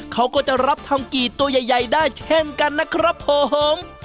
เขาก็จะรับทำกี่ตัวใหญ่ได้เช่นกันนะครับผม